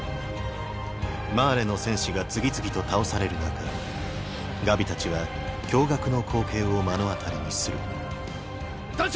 マーレの戦士が次々と倒される中ガビたちは驚愕の光景を目の当たりにする団長！！